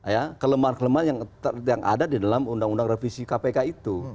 ya kelemahan kelemahan yang ada di dalam undang undang revisi kpk itu